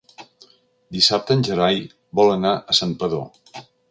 Dissabte en Gerai vol anar a Santpedor.